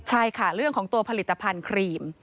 ใช่ค่ะเรื่องของตัวผลิตภัณฑ์ครีม